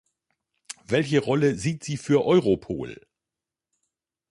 Welche Rolle sieht sie für Europol?